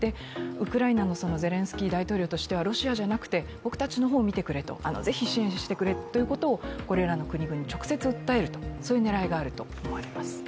ウクライナもゼレンスキー大統領としてはロシアじゃなくて僕たちの方を見てくれと、是非、支援してくれということをこれらの国々に直接訴えるという狙いがあると思われます。